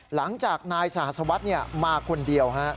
หลังจากนายสหสวัสดิ์มาคนเดียว